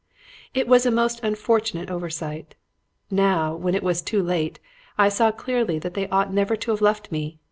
It was a most unfortunate oversight. Now, when it was too late, I saw clearly that they ought never to have left me.